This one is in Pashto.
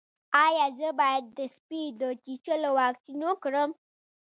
ایا زه باید د سپي د چیچلو واکسین وکړم؟